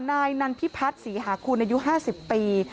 นายนันพิพัฒน์ศรีหาคูณอายุ๕๐ปี